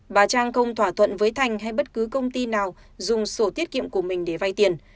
bà trang không thỏa thuận với thành hay bất cứ công ty nào dùng sổ tiết kiệm của mình để vay tiền